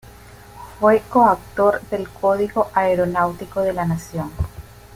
Fue coautor del Código Aeronáutico de la Nación.